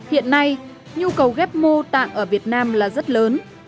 hiện nay nhu cầu ghép mô tạng ở việt nam là rất lớn